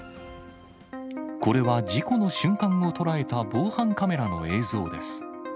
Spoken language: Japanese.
これは事故の瞬間を捉えた防犯カメラの映像です。